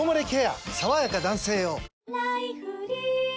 さわやか男性用」